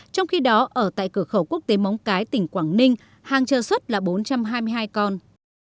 trong khi đó ở tại cửa khẩu quốc tế móng cái tỉnh quảng ninh hàng chờ xuất là bốn trăm hai mươi hai con